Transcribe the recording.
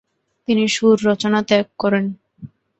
তিনি সুর রচনা ত্যাগ করেন।